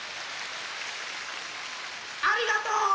ありがとう！